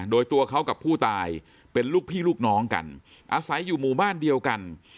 โดยตัวเขากับผู้ตายเป็นลูกพี่ลูกน้องกันอาศัยอยู่หมู่บ้านเดียวกัน